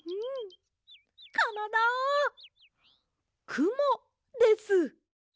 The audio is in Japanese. くもです。